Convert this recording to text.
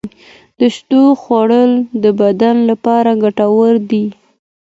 د شیدو خواږه د بدن لپاره ګټور دي.